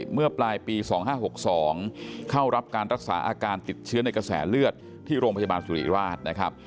เมื่อปลายปี๒๕๖๒เข้ารับการรักษาอาการติดเชื้อในกระแสเลือดที่โรงพยาบาลสุริราชนะครับ